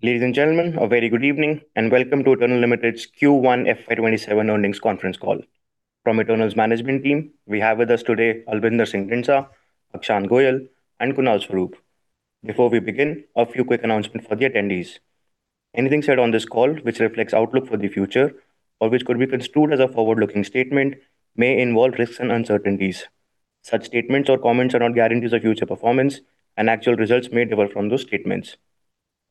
Ladies and gentlemen, a very good evening, and welcome to Eternal Ltd.'s Q1 FY 2027 earnings conference call. From Eternal's management team, we have with us today Albinder Singh Dhindsa, Akshant Goyal, and Kunal Swarup. Before we begin, a few quick announcement for the attendees. Anything said on this call which reflects outlook for the future or which could be construed as a forward-looking statement may involve risks and uncertainties. Such statements or comments are not guarantees of future performance, and actual results may differ from those statements.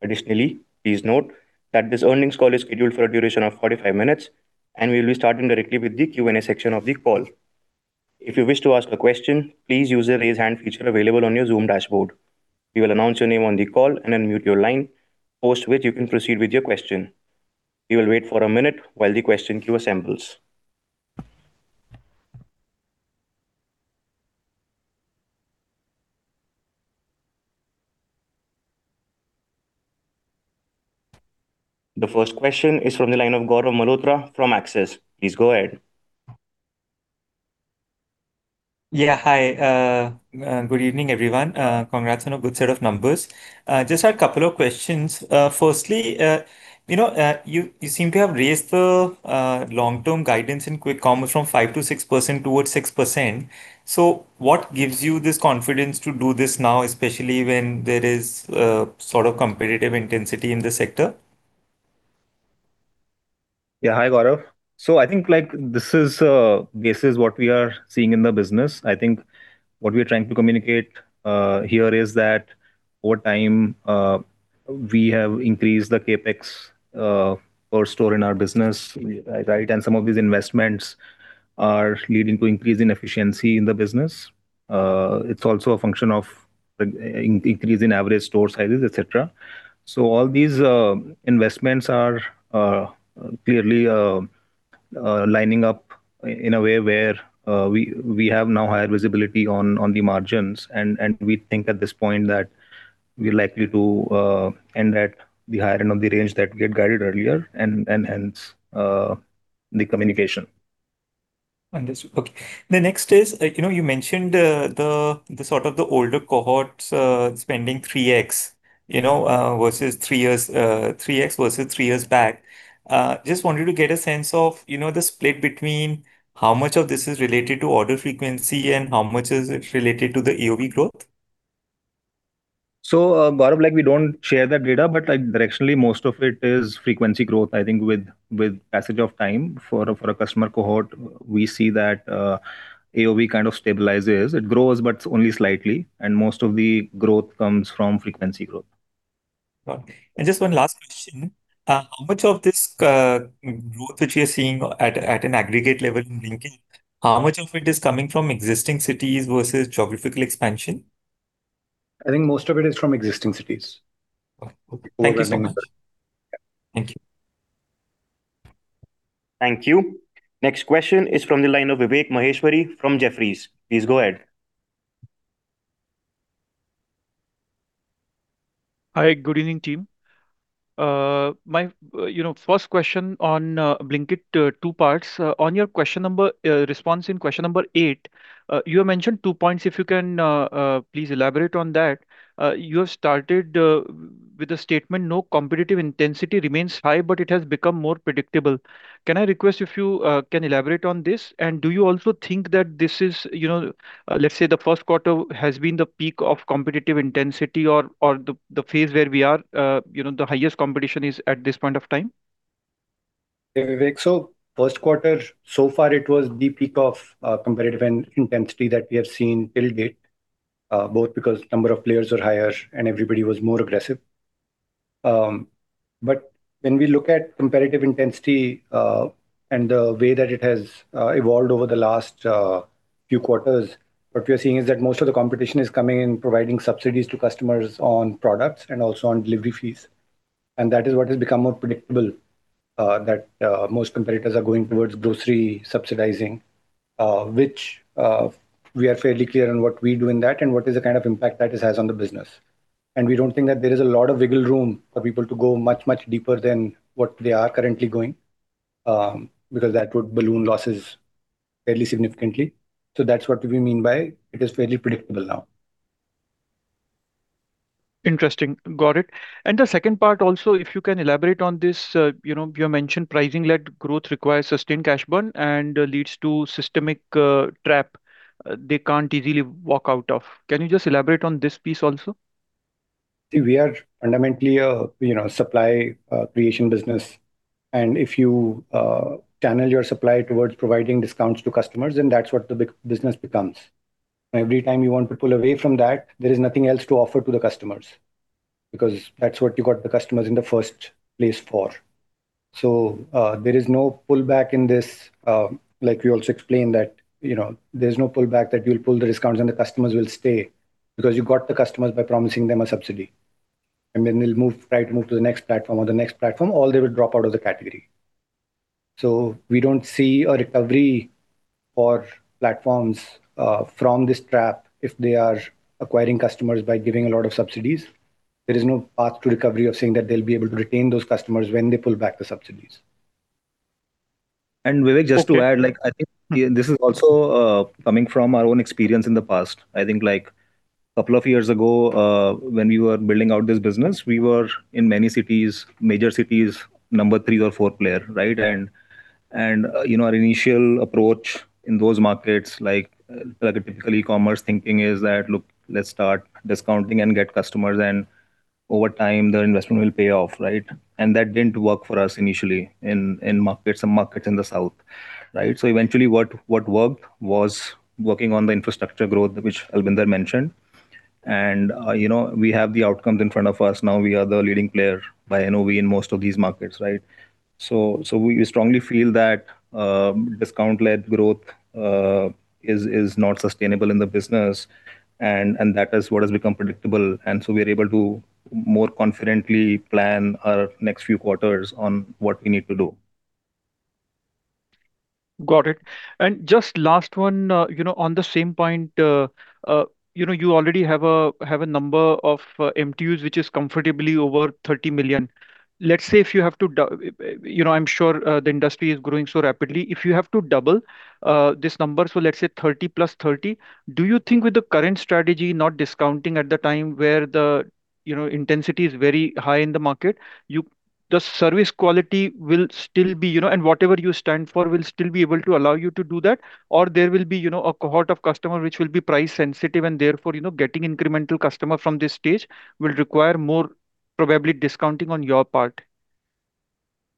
Additionally, please note that this earnings call is scheduled for a duration of 45 minutes, and we'll be starting directly with the Q&A section of the call. If you wish to ask a question, please use the raise hand feature available on your Zoom dashboard. We will announce your name on the call and unmute your line, post which you can proceed with your question. We will wait for a minute while the question queue assembles. The first question is from the line of Gaurav Malhotra from AXIS. Please go ahead. Yeah. Hi. Good evening, everyone. Congrats on a good set of numbers. Just a couple of questions. Firstly, you seem to have raised the long-term guidance in quick commerce from 5%-6% towards 6%. What gives you this confidence to do this now, especially when there is competitive intensity in the sector? Yeah. Hi, Gaurav. I think this is what we are seeing in the business. I think what we're trying to communicate here is that over time, we have increased the CapEx per store in our business, right? Some of these investments are leading to increase in efficiency in the business. It's also a function of the increase in average store sizes, et cetera. All these investments are clearly lining up in a way where we have now higher visibility on the margins, and we think at this point that we're likely to end at the higher end of the range that we had guided earlier, hence the communication. Understood. Okay. The next is, you mentioned the older cohorts spending 3x versus three years back. Just wanted to get a sense of the split between how much of this is related to order frequency and how much is it related to the AOV growth. Gaurav, we don't share that data, but directionally, most of it is frequency growth. I think with passage of time for a customer cohort, we see that AOV kind of stabilizes. It grows, but only slightly, and most of the growth comes from frequency growth. Got it. Just one last question. How much of this growth, which we are seeing at an aggregate level in Blinkit, how much of it is coming from existing cities versus geographical expansion? I think most of it is from existing cities. Okay. Thank you so much. Over all markets. Thank you. Thank you. Next question is from the line of Vivek Maheshwari from Jefferies. Please go ahead. Hi. Good evening, team. My first question on Blinkit, two parts. On your response in question number eight, you have mentioned two points, if you can please elaborate on that. You have started with a statement, "No competitive intensity remains high, but it has become more predictable." Can I request if you can elaborate on this? Do you also think that this is, let's say, the first quarter has been the peak of competitive intensity or the phase where we are, the highest competition is at this point of time? Yeah, Vivek. First quarter, so far it was the peak of competitive intensity that we have seen till date, both because number of players were higher and everybody was more aggressive. When we look at competitive intensity, and the way that it has evolved over the last few quarters, what we are seeing is that most of the competition is coming in providing subsidies to customers on products and also on delivery fees. That is what has become more predictable, that most competitors are going towards grocery subsidizing, which we are fairly clear on what we do in that and what is the kind of impact that this has on the business. We don't think that there is a lot of wiggle room for people to go much, much deeper than what they are currently going, because that would balloon losses fairly significantly. That's what we mean by it is fairly predictable now. Interesting. Got it. The second part also, if you can elaborate on this. You have mentioned pricing-led growth requires sustained cash burn and leads to systemic trap they can't easily walk out of. Can you just elaborate on this piece also? We are fundamentally a supply creation business, if you channel your supply towards providing discounts to customers, that's what the business becomes. Every time you want to pull away from that, there is nothing else to offer to the customers, because that's what you got the customers in the first place for. There is no pullback in this. Like we also explained that there's no pullback that you'll pull the discounts and the customers will stay, because you got the customers by promising them a subsidy. They'll try to move to the next platform or the next platform, or they will drop out of the category. We don't see a recovery for platforms from this trap if they are acquiring customers by giving a lot of subsidies. There is no path to recovery of saying that they'll be able to retain those customers when they pull back the subsidies. Vivek, just to add, I think this is also coming from our own experience in the past. I think couple of years ago, when we were building out this business, we were, in many major cities, number three or four player. Our initial approach in those markets, like a typical e-commerce thinking, is that, "Look, let's start discounting and get customers, over time the investment will pay off." That didn't work for us initially in some markets in the south. Eventually what worked was working on the infrastructure growth, which Albinder mentioned. We have the outcomes in front of us. Now we are the leading player by NOV in most of these markets. We strongly feel that discount-led growth is not sustainable in the business, that is what has become predictable. We're able to more confidently plan our next few quarters on what we need to do. Got it. Just last one. On the same point, you already have a number of MTUs which is comfortably over 30 million. I'm sure the industry is growing so rapidly. If you have to double this number, so let's say 30 million + 30 million, do you think with the current strategy not discounting at the time where the intensity is very high in the market, the service quality and whatever you stand for will still be able to allow you to do that? Or there will be a cohort of customer which will be price-sensitive, and therefore getting incremental customer from this stage will require more probably discounting on your part?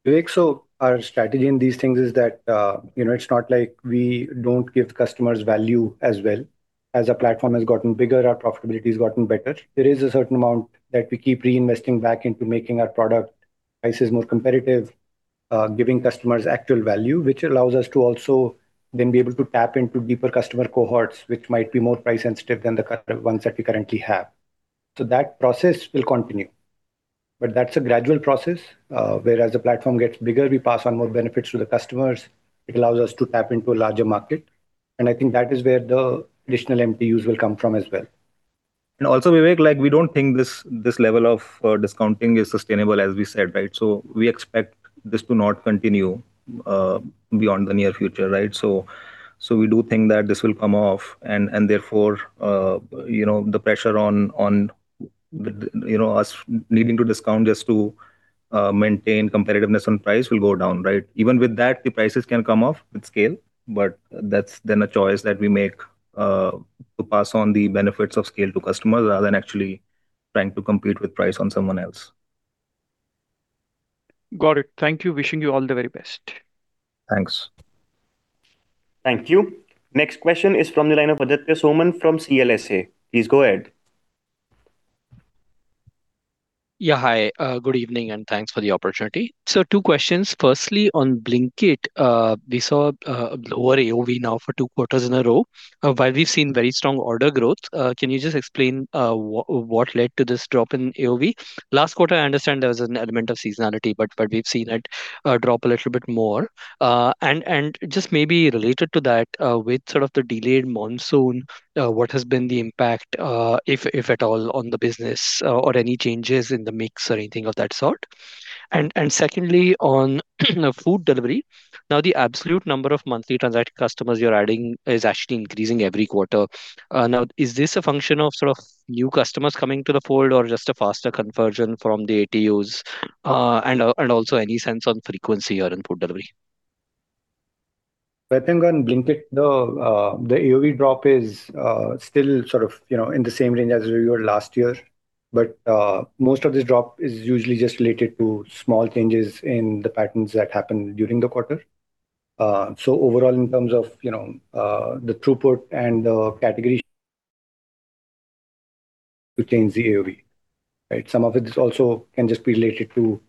Vivek, our strategy in these things is that it's not like we don't give customers value as well. As our platform has gotten bigger, our profitability's gotten better. There is a certain amount that we keep reinvesting back into making our product prices more competitive, giving customers actual value, which allows us to also then be able to tap into deeper customer cohorts, which might be more price-sensitive than the ones that we currently have. That process will continue. That's a gradual process, whereas the platform gets bigger, we pass on more benefits to the customers. It allows us to tap into a larger market, and I think that is where the additional MTUs will come from as well. Also, Vivek, we don't think this level of discounting is sustainable, as we said. We expect this to not continue beyond the near future. We do think that this will come off and therefore, the pressure on us needing to discount just to maintain competitiveness on price will go down. Even with that, the prices can come off with scale, that's then a choice that we make, to pass on the benefits of scale to customers rather than actually trying to compete with price on someone else. Got it. Thank you. Wishing you all the very best. Thanks. Thank you. Next question is from the line of Aditya Soman from CLSA. Please go ahead. Yeah. Hi, good evening, and thanks for the opportunity. Two questions. Firstly, on Blinkit, we saw a lower AOV now for two quarters in a row. While we've seen very strong order growth, can you just explain what led to this drop in AOV? Last quarter, I understand there was an element of seasonality, but we've seen it drop a little bit more. Just maybe related to that, with sort of the delayed monsoon, what has been the impact, if at all, on the business or any changes in the mix or anything of that sort? Secondly, on food delivery. The absolute number of monthly transacting customers you're adding is actually increasing every quarter. Is this a function of new customers coming to the fold or just a faster conversion from the ATUs? Also any sense on frequency here in food delivery? I think on Blinkit, the AOV drop is still in the same range as we were last year, but most of this drop is usually just related to small changes in the patterns that happen during the quarter. Overall, in terms of the throughput and the category to change the AOV. Some of it is also can just be related to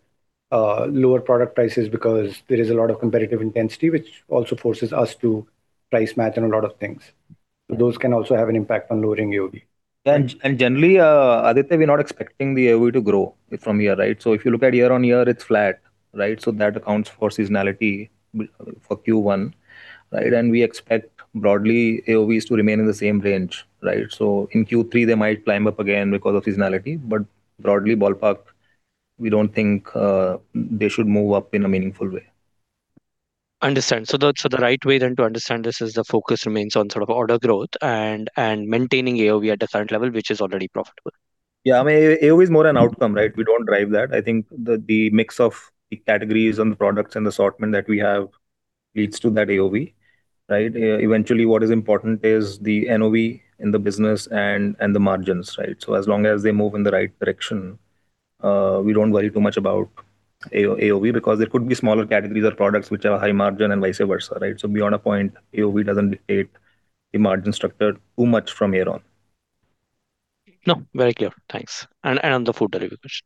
lower product prices because there is a lot of competitive intensity, which also forces us to price match on a lot of things. Those can also have an impact on lowering AOV. Generally, Aditya, we're not expecting the AOV to grow from here. If you look at year-over-year, it's flat. That accounts for seasonality for Q1. We expect broadly AOVs to remain in the same range. In Q3, they might climb up again because of seasonality, but broadly, ballpark, we don't think they should move up in a meaningful way. Understand. The right way then to understand this is the focus remains on order growth and maintaining AOV at the current level, which is already profitable. Yeah, AOV is more an outcome. We don't drive that. I think the mix of the categories and the products and the assortment that we have leads to that AOV. Eventually, what is important is the NOV in the business and the margins. As long as they move in the right direction, we don't worry too much about AOV because there could be smaller categories or products which are high margin and vice versa. Beyond a point, AOV doesn't dictate the margin structure too much from here on. No, very clear. Thanks. The food delivery question.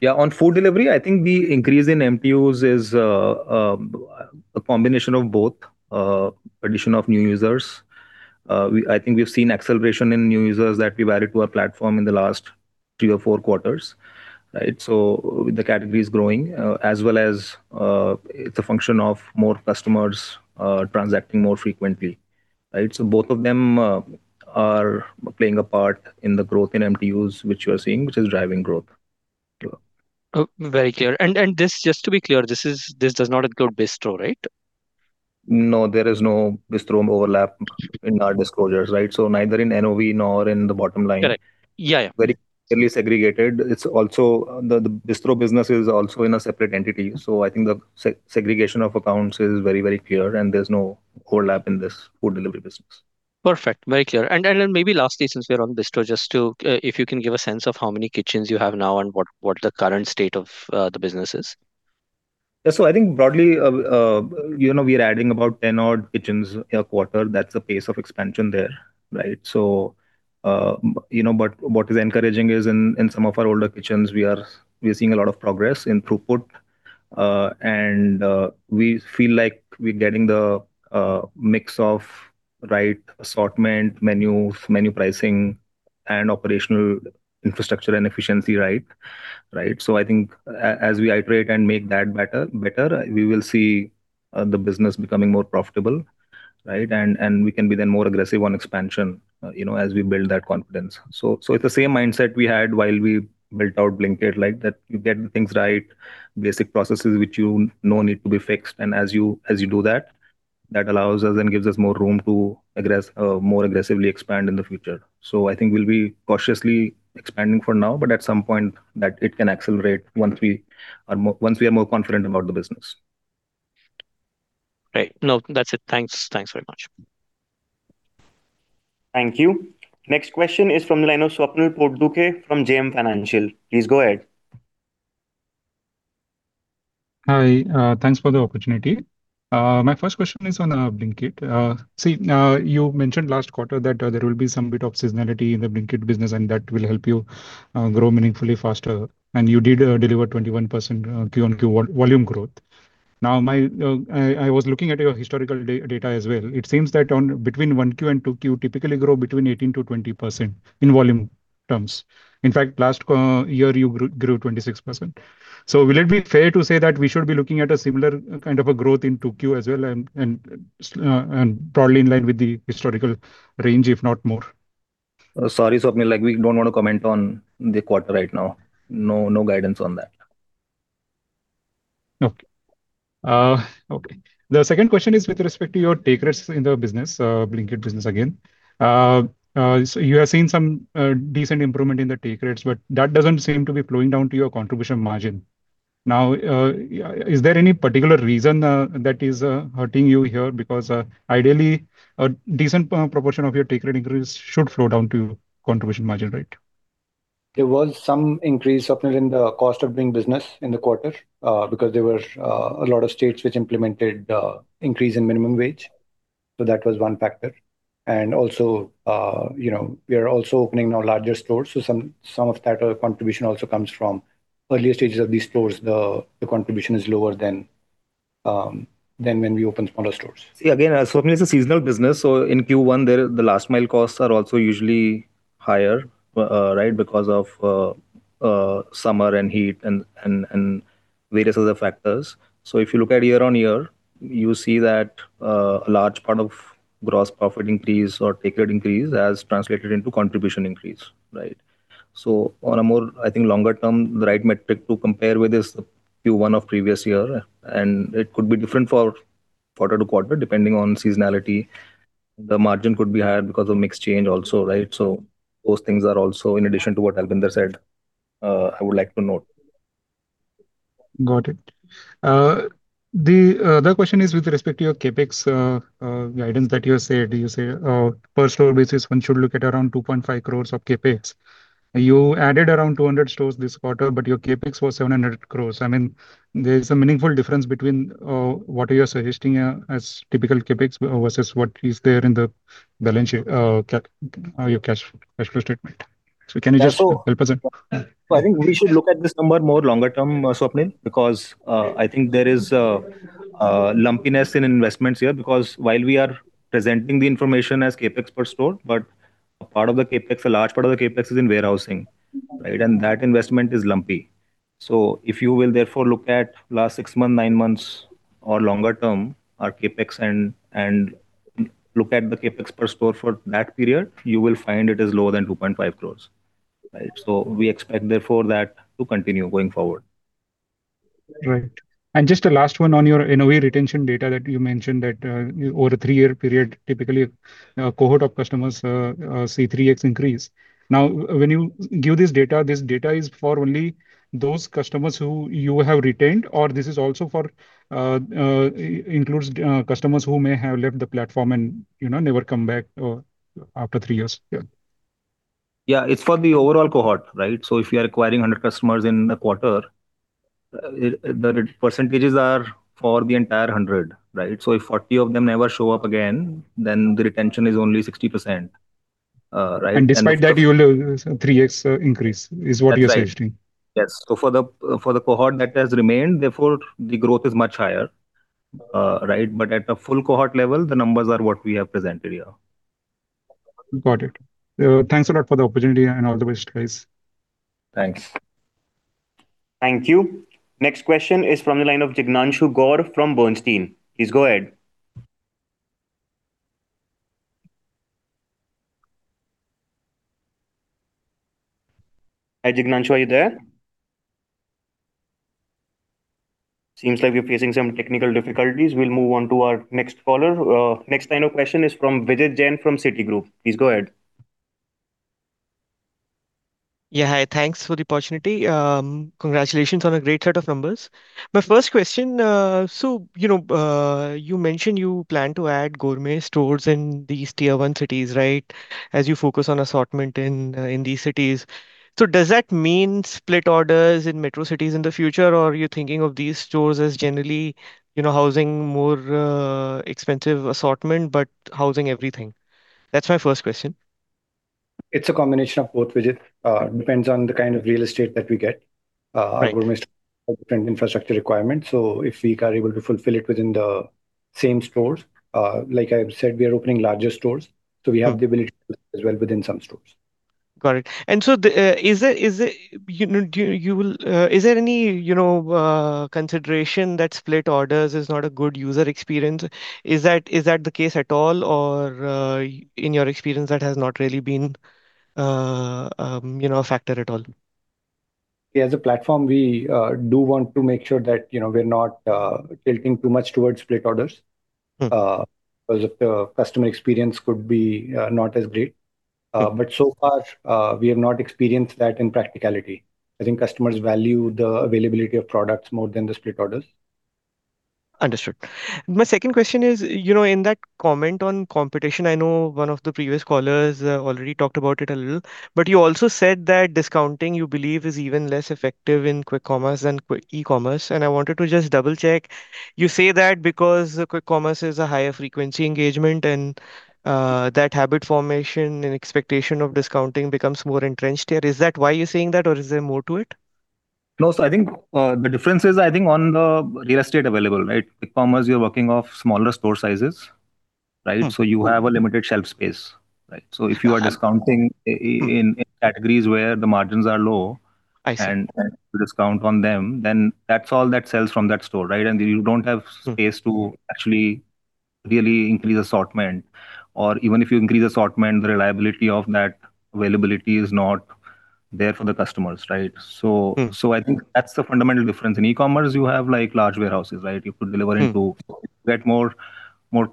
Yeah. On food delivery, I think the increase in MTUs is a combination of both. Addition of new users. I think we've seen acceleration in new users that we've added to our platform in the last three or four quarters. The category is growing, as well as it's a function of more customers transacting more frequently. Right. Both of them are playing a part in the growth in MTUs which we are seeing, which is driving growth. Oh, very clear. Just to be clear, this does not include Bistro, right? No, there is no Bistro overlap in our disclosures, right? Neither in NOV nor in the bottom line. Correct. Yeah. Very clearly segregated. The Bistro business is also in a separate entity, so I think the segregation of accounts is very clear, and there's no overlap in this food delivery business. Perfect. Very clear. Maybe lastly, since we are on Bistro, just if you can give a sense of how many kitchens you have now and what the current state of the business is. I think broadly, we are adding about 10 odd kitchens a quarter. That's the pace of expansion there. What is encouraging is in some of our older kitchens, we are seeing a lot of progress in throughput. We feel like we're getting the mix of right assortment, menus, menu pricing, and operational infrastructure and efficiency right. I think as we iterate and make that better, we will see the business becoming more profitable. We can be then more aggressive on expansion as we build that confidence. It's the same mindset we had while we built out Blinkit, that you get things right, basic processes which you know need to be fixed, and as you do that allows us and gives us more room to more aggressively expand in the future. I think we'll be cautiously expanding for now, but at some point that it can accelerate once we are more confident about the business. Right. No, that's it. Thanks very much. Thank you. Next question is from the line of Swapnil Potdukhe from JM Financial. Please go ahead. Hi. Thanks for the opportunity. My first question is on Blinkit. You mentioned last quarter that there will be some bit of seasonality in the Blinkit business and that will help you grow meaningfully faster, and you did deliver 21% QOQ volume growth. I was looking at your historical data as well. It seems that between 1Q and 2Q, typically grow between 18%-20% in volume terms. In fact, last year, you grew 26%. Will it be fair to say that we should be looking at a similar kind of a growth in 2Q as well, and broadly in line with the historical range, if not more? Sorry, Swapnil. We don't want to comment on the quarter right now. No guidance on that. Okay. The second question is with respect to your take rates in the Blinkit business again. You are seeing some decent improvement in the take rates, but that doesn't seem to be flowing down to your contribution margin. Is there any particular reason that is hurting you here? Ideally, a decent proportion of your take rate increase should flow down to contribution margin, right? There was some increase, Swapnil, in the cost of doing business in the quarter, because there were a lot of states which implemented increase in minimum wage. That was one factor. Also, we are also opening now larger stores, so some of that contribution also comes from earlier stages of these stores, the contribution is lower than when we opened smaller stores. Yeah, again, Swapnil, it's a seasonal business, so in Q1, the last mile costs are also usually higher because of summer and heat and various other factors. If you look at year-on-year, you see that a large part of gross profit increase or take rate increase has translated into contribution increase. Right? On a more, I think, longer term, the right metric to compare with is the Q1 of previous year. It could be different for quarter-to-quarter, depending on seasonality. The margin could be higher because of mix change also. Right? Those things are also in addition to what Albinder said, I would like to note. Got it. The other question is with respect to your CapEx guidance that you said. You say, "Per store basis, one should look at around 2.5 crore of CapEx." You added around 200 stores this quarter, but your CapEx was 700 crore. There is a meaningful difference between what you're suggesting as typical CapEx versus what is there in your cash flow statement. Can you just help us- I think we should look at this number more longer term, Swapnil, because I think there is a lumpiness in investments here. While we are presenting the information as CapEx per store, but a large part of the CapEx is in warehousing. Right? That investment is lumpy. If you will therefore look at last six month, nine months, or longer term our CapEx and look at the CapEx per store for that period, you will find it is lower than 2.5 crore. We expect therefore that to continue going forward. Right. Just a last one on your NOV retention data that you mentioned that, over a three-year period, typically a cohort of customers see 3x increase. When you give this data, this data is for only those customers who you have retained or this also includes customers who may have left the platform and never come back after three years? Yeah. It's for the overall cohort. Right? If you are acquiring 100 customers in a quarter, the percentages are for the entire 100. Right? If 40 of them never show up again, then the retention is only 60%. Right? Despite that, you will have 3x increase is what you're suggesting. That's right. Yes. For the cohort that has remained, therefore the growth is much higher. Right? At a full cohort level, the numbers are what we have presented here. Got it. Thanks a lot for the opportunity, and all the best, guys. Thanks. Thank you. Next question is from the line of Jignanshu Gor from Bernstein. Please go ahead. Hi, Jignanshu, are you there? Seems like you're facing some technical difficulties. We'll move on to our next caller. Next line of question is from Vijit Jain from Citigroup. Please go ahead. Yeah. Hi. Thanks for the opportunity. Congratulations on a great set of numbers. My first question. You mentioned you plan to add gourmet stores in these tier 1 cities, right, as you focus on assortment in these cities. Does that mean split orders in metro cities in the future, or are you thinking of these stores as generally housing more expensive assortment, but housing everything? That's my first question. It's a combination of both, Vijit. Depends on the kind of real estate that we get. Right. Our gourmet stores have different infrastructure requirements, so if we are able to fulfill it within the same stores. Like I've said, we are opening larger stores, so we have the ability as well within some stores. Got it. Is there any consideration that split orders is not a good user experience? Is that the case at all, or in your experience, that has not really been a factor at all? Yeah, as a platform, we do want to make sure that we're not tilting too much towards split orders. The customer experience could be not as great. So far, we have not experienced that in practicality. I think customers value the availability of products more than the split orders. Understood. My second question is, in that comment on competition, I know one of the previous callers already talked about it a little. You also said that discounting, you believe, is even less effective in quick commerce than quick e-commerce. I wanted to just double-check. You say that because quick commerce is a higher frequency engagement and that habit formation and expectation of discounting becomes more entrenched here. Is that why you're saying that or is there more to it? No. I think the difference is, I think, on the real estate available, right? Quick commerce, you're working off smaller store sizes, right? You have a limited shelf space, right? If you are discounting in categories where the margins are low- I see. You discount on them, that's all that sells from that store, right and you don't have space to actually really increase assortment. Even if you increase assortment, the reliability of net availability is not there for the customers, right? I think that's the fundamental difference. In e-commerce, you have large warehouses, right? You could deliver into- you get more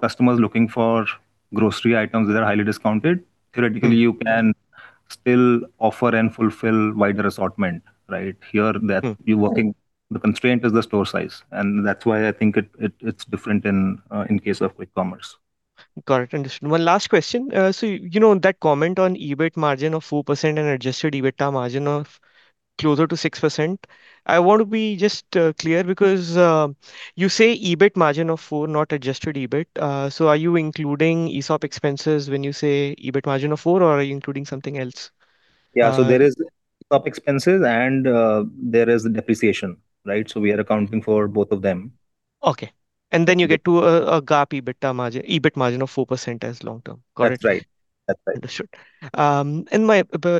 customers looking for grocery items that are highly discounted. Theoretically, you can still offer and fulfill wider assortment, right? Here- you're working, the constraint is the store size. That's why I think it's different in case of quick commerce. Got it. Understood. One last question. That comment on EBIT margin of 4% and adjusted EBITDA margin of closer to 6%. I want to be just clear because you say EBIT margin of 4%, not adjusted EBIT. Are you including ESOP expenses when you say EBIT margin of 4%, or are you including something else? Yeah. There is ESOP expenses and there is depreciation, right? We are accounting for both of them. Okay. You get to a GAAP EBIT margin of 4% as long-term. Got it. That's right. Understood.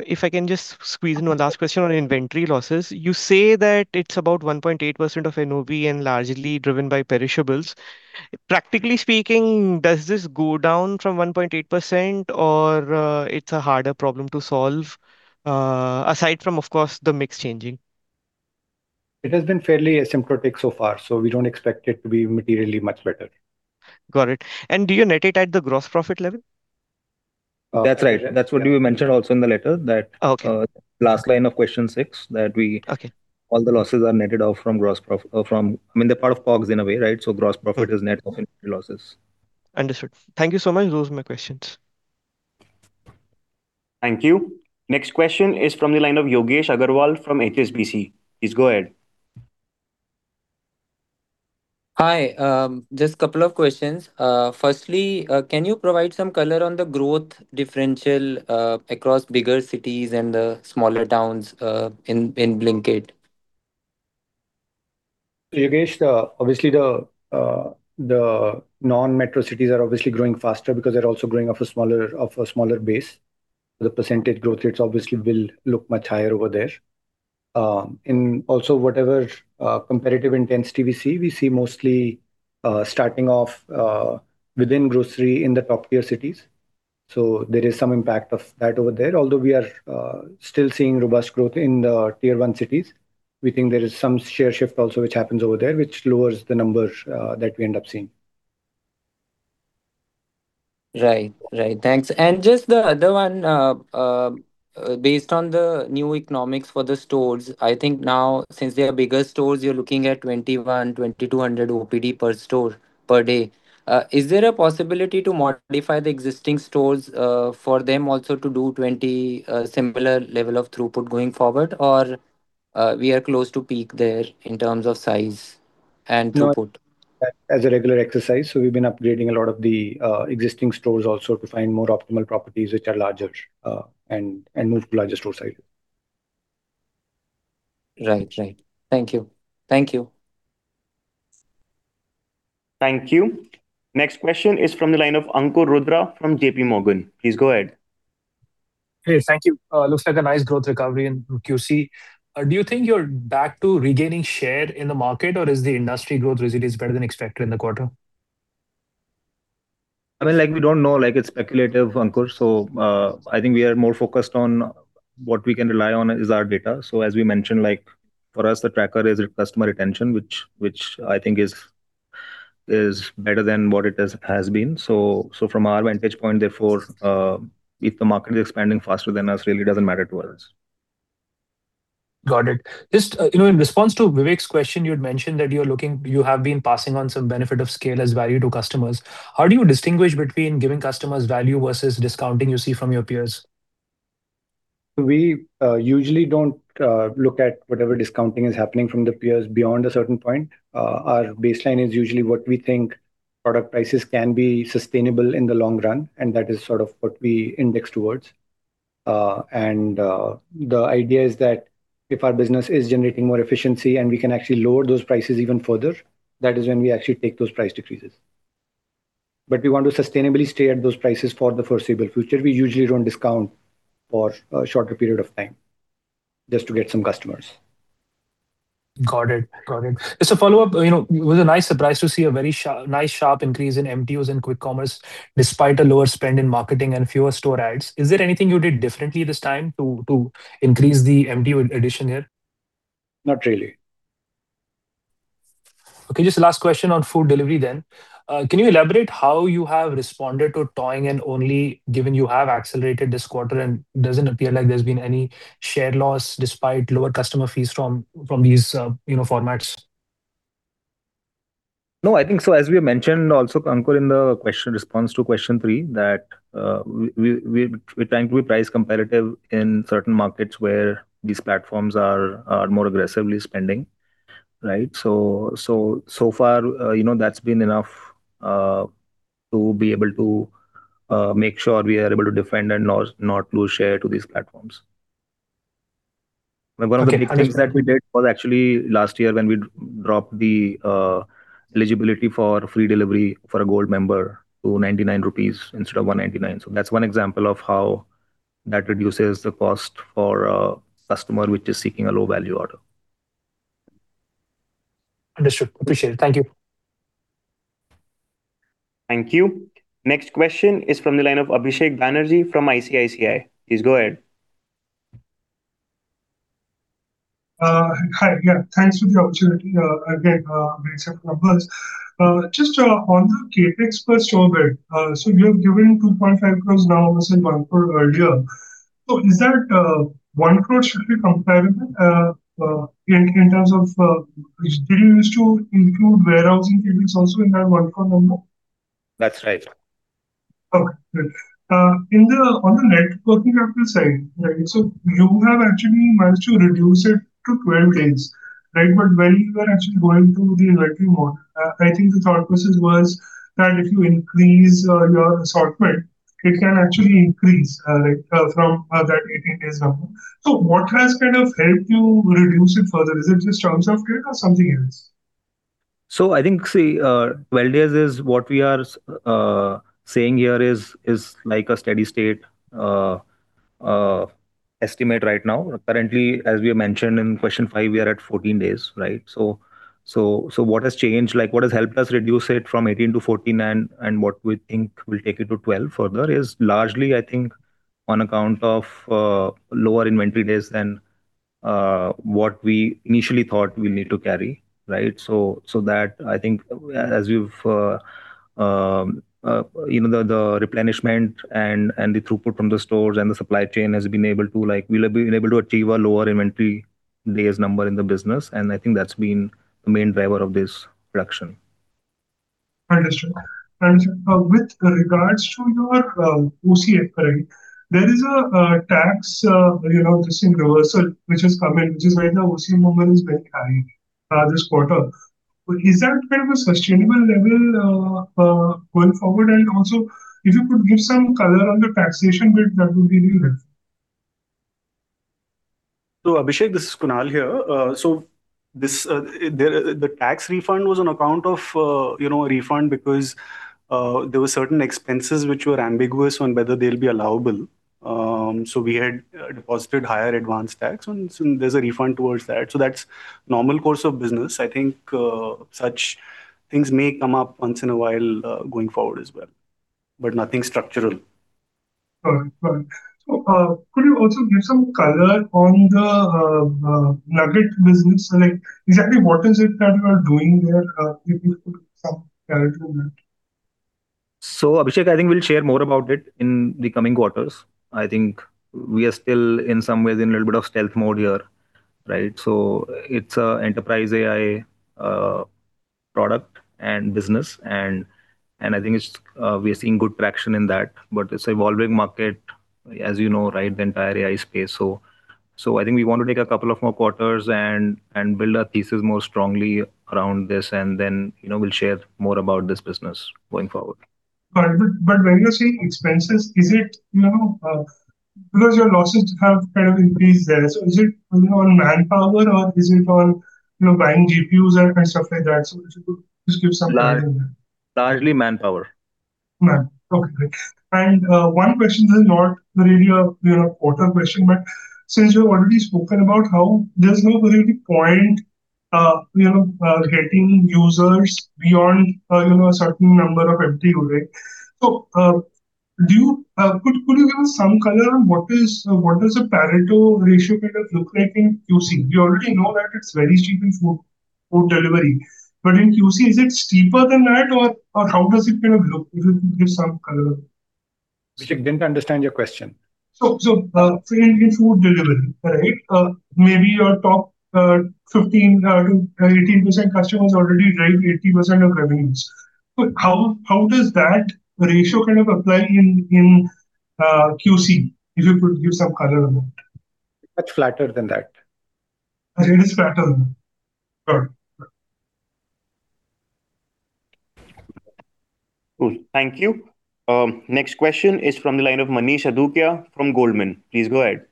If I can just squeeze in one last question on inventory losses. You say that it's about 1.8% of NOV and largely driven by perishables. Practically speaking, does this go down from 1.8% or it's a harder problem to solve, aside from, of course, the mix changing? It has been fairly asymptotic so far, so we don't expect it to be materially much better. Got it. Do you net it at the gross profit level? That's right. That's what we mentioned also in the letter that. Okay. Last line of question six, that we. Okay. All the losses are netted off from gross. I mean, they're part of COGS in a way, right? Gross profit is net of inventory losses. Understood. Thank you so much. Those are my questions. Thank you. Next question is from the line of Yogesh Aggarwal from HSBC. Please go ahead. Hi. Just couple of questions. Firstly, can you provide some color on the growth differential across bigger cities and the smaller towns in Blinkit? Yogesh, obviously the non-metro cities are obviously growing faster because they're also growing off a smaller base. The percentage growth rates obviously will look much higher over there. Whatever competitive intensity we see, we see mostly starting off within grocery in the top-tier cities. There is some impact of that over there. Although we are still seeing robust growth in the tier 1 cities. We think there is some share shift also which happens over there, which lowers the numbers that we end up seeing. Right. Thanks. Just the other one, based on the new economics for the stores, I think now since they are bigger stores, you're looking at 2,100, 2,200 OPD per store per day. Is there a possibility to modify the existing stores for them also to do 20 similar level of throughput going forward? Or we are close to peak there in terms of size and throughput? Not as a regular exercise. We've been upgrading a lot of the existing stores also to find more optimal properties which are larger, and move to larger store sizes. Right. Thank you. Thank you. Next question is from the line of Ankur Rudra from JPMorgan. Please go ahead. Hey, thank you. Looks like a nice growth recovery in QC. Do you think you're back to regaining share in the market or is the industry growth really is better than expected in the quarter? We don't know. It's speculative, Ankur, I think we are more focused on what we can rely on is our data. As we mentioned, for us, the tracker is customer retention, which I think is better than what it has been. From our vantage point, therefore, if the market is expanding faster than us, really doesn't matter to us. Got it. Just in response to Vivek's question, you had mentioned that you have been passing on some benefit of scale as value to customers. How do you distinguish between giving customers value versus discounting you see from your peers? We usually don't look at whatever discounting is happening from the peers beyond a certain point. Our baseline is usually what we think product prices can be sustainable in the long run, that is sort of what we index towards. The idea is that if our business is generating more efficiency and we can actually lower those prices even further, that is when we actually take those price decreases. We want to sustainably stay at those prices for the foreseeable future. We usually don't discount for a shorter period of time just to get some customers. Got it. Just a follow-up. It was a nice surprise to see a very nice sharp increase in MTUs in quick commerce, despite a lower spend in marketing and fewer store ads. Is there anything you did differently this time to increase the MTU addition here? Not really. Just last question on food delivery then. Can you elaborate how you have responded to pricing and only given you have accelerated this quarter and doesn't appear like there's been any share loss despite lower customer fees from these formats? I think as we mentioned also, Ankur, in the response to question three, that we're trying to be price competitive in certain markets where these platforms are more aggressively spending. Right. So far, that's been enough to be able to make sure we are able to defend and not lose share to these platforms. Okay. Understood. One of the big things that we did was actually last year when we dropped the eligibility for free delivery for a Zomato Gold member to 99 rupees instead of 199. That's one example of how that reduces the cost for a customer which is seeking a low-value order. Understood. Appreciate it. Thank you. Thank you. Next question is from the line of Abhisek Banerjee from ICICI. Please go ahead. Hi. Yeah, thanks for the opportunity. Again, very sharp numbers. Just on the CapEx per store bit, you're giving 2.5 crore now versus 1 crore earlier. Is that 1 crore should be comparable in terms of did you used to include warehousing fees also in that 1 crore number? That's right. Okay, good. On the net working capital side, you have actually managed to reduce it to 12 days. When you were actually going to the inventory mode, I think the thought process was that if you increase your assortment, it can actually increase from that 18 days number. What has kind of helped you reduce it further? Is it just terms of credit or something else? I think, see, 12 days is what we are saying here is like a steady state estimate right now. Currently, as we mentioned in question five, we are at 14 days, right? What has changed, like, what has helped us reduce it from 18 to 14 and what we think will take it to 12 further is largely, I think, on account of lower inventory days than what we initially thought we need to carry, right? That I think as the replenishment and the throughput from the stores and the supply chain has been able to achieve a lower inventory days number in the business, and I think that's been the main driver of this reduction. Understood. With regards to your OCF, right, there is a tax reversal, which has come in, which is right now OCF number is very high this quarter. Is that kind of a sustainable level going forward? Also if you could give some color on the taxation bit, that would be really helpful. Abhisek, this is Kunal here. The tax refund was on account of a refund because there were certain expenses which were ambiguous on whether they'll be allowable. We had deposited higher advance tax, there's a refund towards that. That's normal course of business. I think such things may come up once in a while going forward as well, but nothing structural. Got it. Could you also give some color on the Nugget business? Like exactly what is it that you are doing there? If you could give some clarity on that. Abhisek, I think we'll share more about it in the coming quarters. I think we are still in some ways in a little bit of stealth mode here, right? It's an enterprise AI product and business and I think we are seeing good traction in that, but it's evolving market, as you know, right, the entire AI space. I think we want to take a couple of more quarters and build our thesis more strongly around this and then we'll share more about this business going forward. Got it. When you're saying expenses, because your losses have kind of increased there. Is it on manpower or is it on buying GPUs and stuff like that? If you could just give some clarity on that. Largely manpower. Man. Okay, great. One question that is not really a quarter question, but since you've already spoken about how there's no really point getting users beyond a certain number of MTU, right? Could you give us some color on what does a Pareto ratio kind of look like in QC? We already know that it's very steep in food delivery. In QC, is it steeper than that? Or how does it kind of look? If you could give some color. Abhisek, didn't understand your question. Say in food delivery, right? Maybe your top 15%-18% customers already drive 80% of revenues. How does that ratio kind of apply in QC? If you could give some color on that. Much flatter than that. It is flatter. Got it. Cool. Thank you. Next question is from the line of Manish Adukia from Goldman. Please go ahead.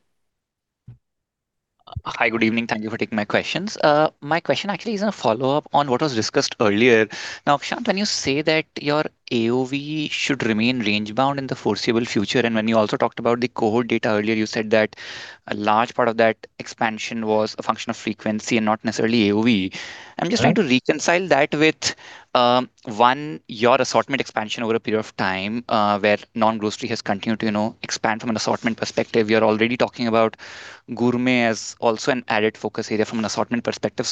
Hi. Good evening. Thank you for taking my questions. My question actually is a follow-up on what was discussed earlier. Akshant, when you say that your AOV should remain range-bound in the foreseeable future, when you also talked about the cohort data earlier, you said that a large part of that expansion was a function of frequency and not necessarily AOV. Right. I'm just trying to reconcile that with, one, your assortment expansion over a period of time, where non-grocery has continued to expand from an assortment perspective. You're already talking about gourmet as also an added focus area from an assortment perspective.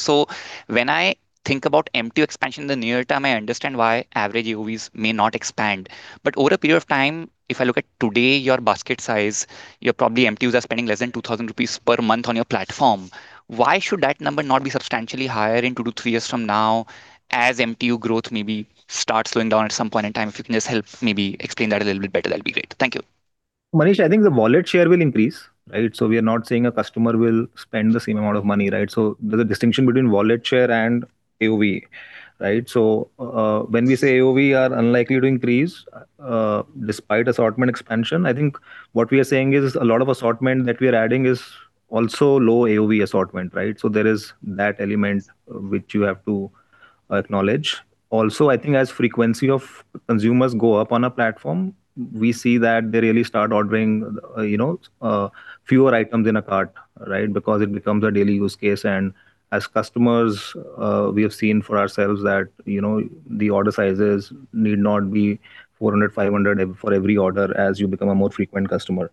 When I think about MTU expansion in the near term, I understand why average AOVs may not expand. Over a period of time, if I look at today, your basket size, your probably MTUs are spending less than 2,000 rupees per month on your platform. Why should that number not be substantially higher in two to three years from now as MTU growth maybe starts slowing down at some point in time? If you can just help maybe explain that a little bit better, that'd be great. Thank you. Manish, I think the wallet share will increase, right? We are not saying a customer will spend the same amount of money, right? There's a distinction between wallet share and AOV, right? When we say AOV are unlikely to increase, despite assortment expansion, I think what we are saying is a lot of assortment that we are adding is also low-AOV assortment, right? There is that element which you have to acknowledge. Also, I think as frequency of consumers go up on a platform, we see that they really start ordering fewer items in a cart, right? Because it becomes a daily use case and as customers, we have seen for ourselves that the order sizes need not be 400, 500 for every order as you become a more frequent customer.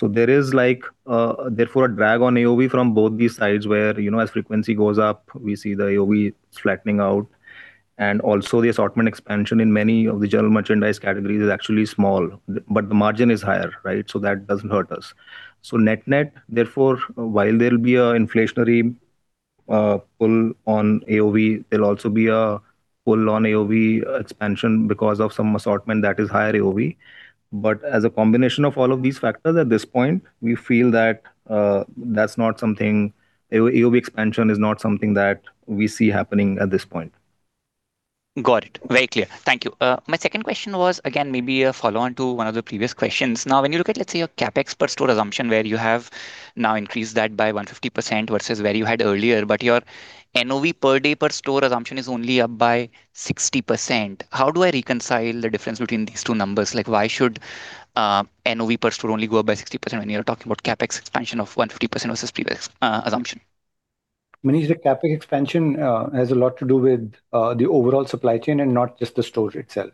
There is, therefore, a drag on AOV from both these sides where, as frequency goes up, we see the AOV flattening out and also the assortment expansion in many of the general merchandise categories is actually small. The margin is higher, right? That doesn't hurt us. Net net, therefore, while there'll be an inflationary pull on AOV, there'll also be a pull on AOV expansion because of some assortment that is higher AOV. As a combination of all of these factors at this point, we feel that AOV expansion is not something that we see happening at this point. Got it. Very clear. Thank you. My second question was, again, maybe a follow-on to one of the previous questions. When you look at, let's say, your CapEx per store assumption, where you have now increased that by 150% versus where you had earlier, your NOV per day per store assumption is only up by 60%. How do I reconcile the difference between these two numbers? Why should NOV per store only go up by 60% when you're talking about CapEx expansion of 150% versus previous assumption? Manish, the CapEx expansion has a lot to do with the overall supply chain and not just the stores itself.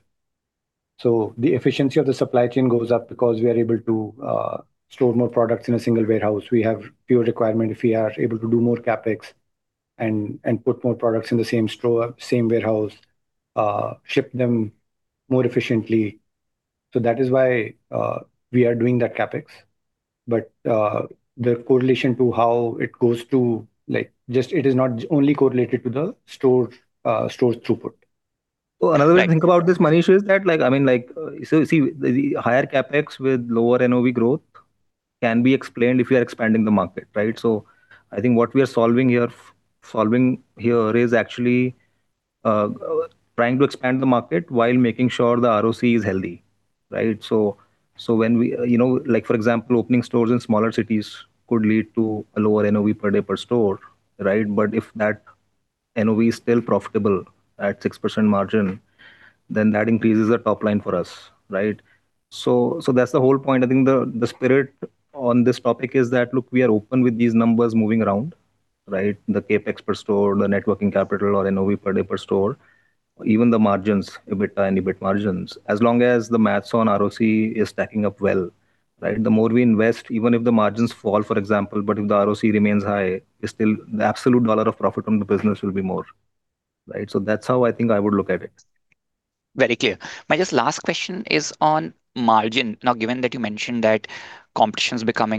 The efficiency of the supply chain goes up because we are able to store more products in a single warehouse. We have pure requirement if we are able to do more CapEx and put more products in the same warehouse, ship them more efficiently. That is why we are doing that CapEx. The correlation to how it goes to, it is not only correlated to the store throughput. Another way to think about this, Manish, is that the higher CapEx with lower NOV growth can be explained if you are expanding the market, right? I think what we are solving here is actually trying to expand the market while making sure the ROC is healthy, right? For example, opening stores in smaller cities could lead to a lower NOV per day per store, right? If that NOV is still profitable at 6% margin, then that increases the top line for us, right? That's the whole point. I think the spirit on this topic is that, look, we are open with these numbers moving around, right? The CapEx per store, the networking capital or NOV per day per store, even the margins, EBITDA and EBIT margins. As long as the maths on ROC is stacking up well, right? The more we invest, even if the margins fall, for example, but if the ROC remains high, the absolute dollar of profit on the business will be more, right? That's how I think I would look at it. My just last question is on margin. Given that you mentioned that competition's become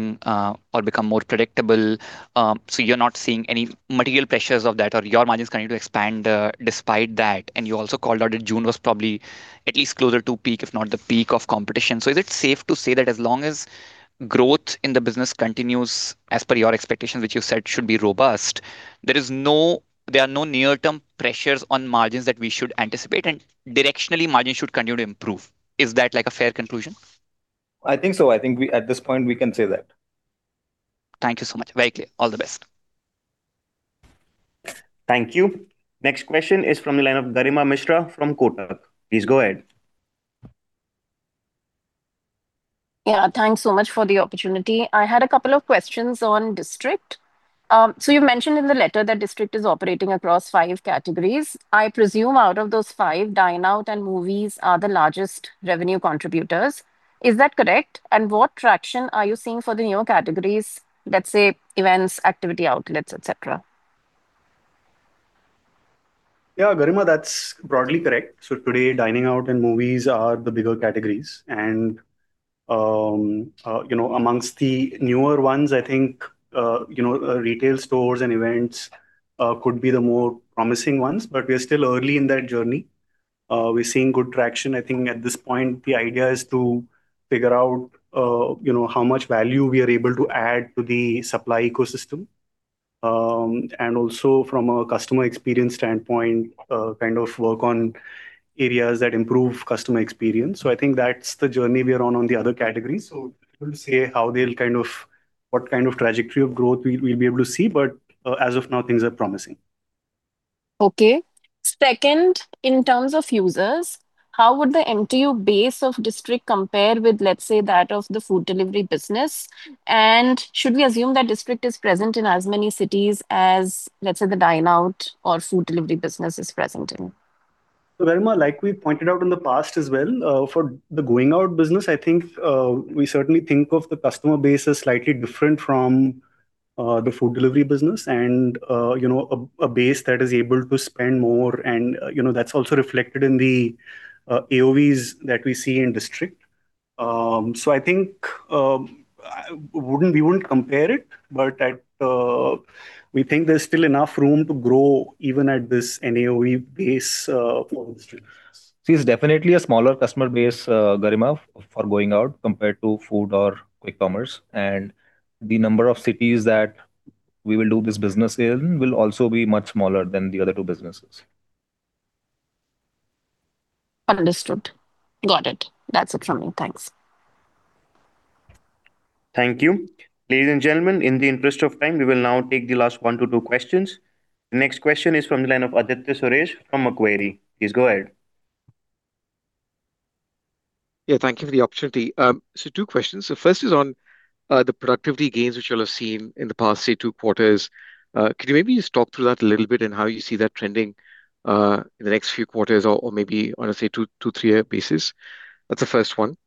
more predictable, so you're not seeing any material pressures of that or your margin's going to expand, despite that, and you also called out that June was probably at least closer to peak, if not the peak of competition. Is it safe to say that as long as growth in the business continues as per your expectations, which you said should be robust, there are no near-term pressures on margins that we should anticipate, and directionally, margin should continue to improve. Is that a fair conclusion? I think so. I think at this point, we can say that. Thank you so much. Very clear. All the best. Thank you. Next question is from the line of Garima Mishra from Kotak. Please go ahead. Yeah. Thanks so much for the opportunity. I had a couple of questions on District. You mentioned in the letter that District is operating across five categories. I presume out of those five, Dining-Out and movies are the largest revenue contributors. Is that correct? What traction are you seeing for the newer categories, let's say, events, activity outlets, et cetera? Yeah, Garima, that's broadly correct. Today, dining out and movies are the bigger categories. Amongst the newer ones, I think, retail stores and events could be the more promising ones. We are still early in that journey. We're seeing good traction. I think at this point, the idea is to figure out how much value we are able to add to the supply ecosystem. Also from a customer experience standpoint, kind of work on areas that improve customer experience. I think that's the journey we are on the other categories. Difficult to say what kind of trajectory of growth we'll be able to see. As of now, things are promising. Okay. Second, in terms of users, how would the MTU base of District compare with, let's say, that of the food delivery business? Should we assume that District is present in as many cities as, let's say, the Dining-Out or food delivery business is present in? Garima, like we pointed out in the past as well, for the Going-Out business, I think, we certainly think of the customer base as slightly different from the food delivery business and a base that is able to spend more and that's also reflected in the AOVs that we see in District. I think, we wouldn't compare it, but we think there's still enough room to grow even at this AOV base for the District business. It's definitely a smaller customer base, Garima, for Going-Out compared to food or quick commerce. The number of cities that we will do this business in will also be much smaller than the other two businesses. Understood. Got it. That's it from me. Thanks. Thank you. Ladies and gentlemen, in the interest of time, we will now take the last one to two questions. The next question is from the line of Aditya Suresh from Macquarie. Please go ahead. Thank you for the opportunity. Two questions. First is on the productivity gains which you'll have seen in the past, say, two quarters. Can you maybe just talk through that a little bit and how you see that trending, in the next few quarters or maybe on a, say, two, three year basis? That's the first one.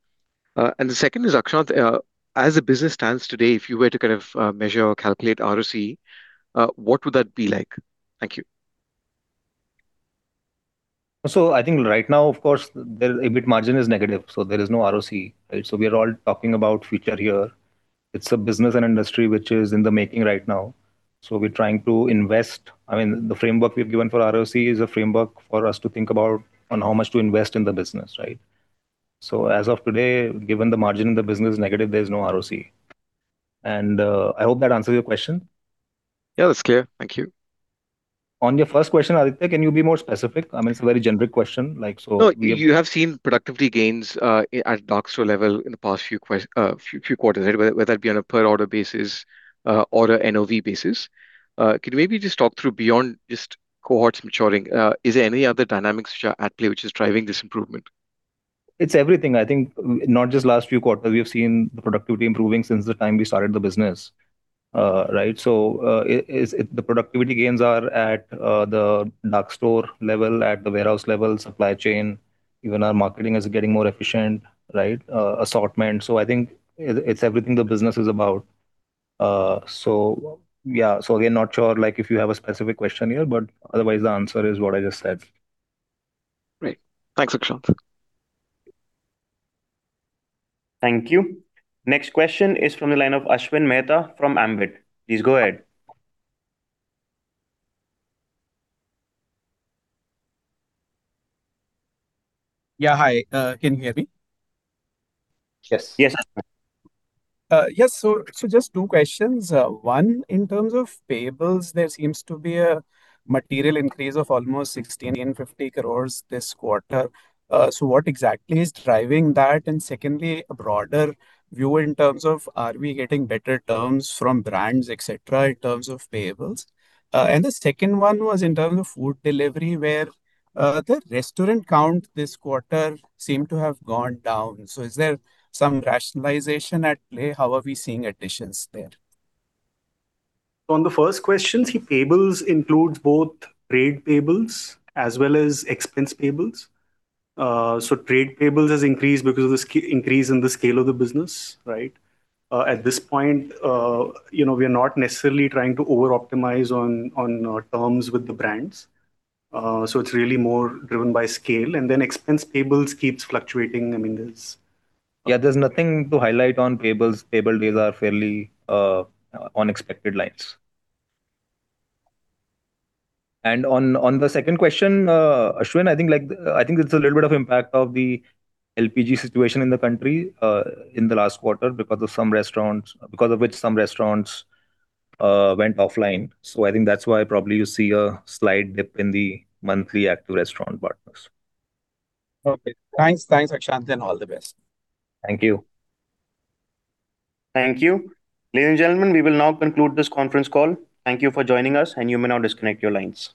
The second is, Akshant, as the business stands today, if you were to kind of measure or calculate ROC, what would that be like? Thank you. I think right now, of course, EBIT margin is negative, there is no ROC, right? We are all talking about future here. It's a business and industry which is in the making right now. We're trying to invest. I mean, the framework we've given for ROC is a framework for us to think about on how much to invest in the business, right? As of today, given the margin in the business is negative, there's no ROC. I hope that answers your question. Yeah, that's clear. Thank you. On your first question, Aditya, can you be more specific? I mean, it's a very generic question, like. No, you have seen productivity gains at dark store level in the past few quarters, right? Whether that be on a per order basis, or a NOV basis. Can you maybe just talk through beyond just cohorts maturing, is there any other dynamics which are at play which is driving this improvement? It's everything. I think, not just last few quarters, we have seen the productivity improving since the time we started the business. Right? The productivity gains are at the dark store level, at the warehouse level, supply chain, even our marketing is getting more efficient, right? Assortment. I think it's everything the business is about. Yeah. Again, not sure, like if you have a specific question here, but otherwise the answer is what I just said. Great. Thanks, Akshant. Thank you. Next question is from the line of Ashwin Mehta from Ambit. Please go ahead. Yeah. Hi, can you hear me? Yes. Yes. Just two questions. One, in terms of payables, there seems to be a material increase of almost 1,650 crore this quarter. What exactly is driving that? Secondly, a broader view in terms of are we getting better terms from brands, et cetera, in terms of payables? The second one was in terms of food delivery, where the restaurant count this quarter seemed to have gone down. Is there some rationalization at play? How are we seeing additions there? On the first question, payables includes both trade payables as well as expense payables. Trade payables has increased because of the increase in the scale of the business, right? At this point, we are not necessarily trying to over optimize on terms with the brands. It's really more driven by scale. Then expense payables keeps fluctuating. There's nothing to highlight on payables. Payables, these are fairly on expected lines. On the second question, Ashwin, I think there's a little bit of impact of the LPG situation in the country, in the last quarter because of which some restaurants went offline. I think that's why probably you see a slight dip in the monthly active restaurant partners. Thanks. Thanks, Akshant, all the best. Thank you. Thank you. Ladies and gentlemen, we will now conclude this conference call. Thank you for joining us, and you may now disconnect your lines.